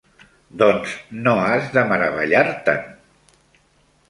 -Doncs, no has de meravellar-te'n.